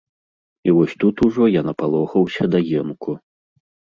І вось тут ужо я напалохаўся да енку.